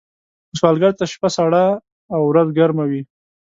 سوالګر ته شپه سړه او ورځ ګرمه وي